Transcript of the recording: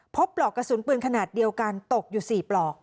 ปลอกกระสุนปืนขนาดเดียวกันตกอยู่๔ปลอก